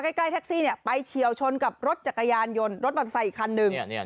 ใกล้แท็กซี่ไปเฉียวชนกับรถจักรยานยนต์รถมอเตอร์ไซค์อีกคันหนึ่ง